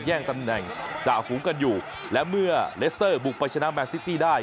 แย่งตำแหน่งจ่าฝูงกันอยู่และเมื่อเลสเตอร์บุกไปชนะแมนซิตี้ได้